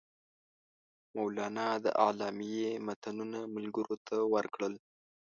مولنا د اعلامیې متنونه ملګرو ته ورکړل.